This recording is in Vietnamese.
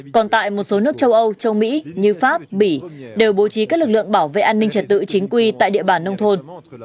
còn tại một số nước châu âu châu mỹ như pháp bỉ đều bố trí các lực lượng bảo vệ an ninh trật tự chính quy tại địa bàn nông thôn